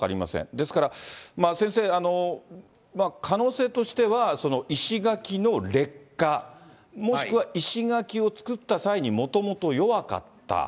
ですから先生、可能性としては、石垣の劣化、もしくは石垣を作った際にもともと弱かった。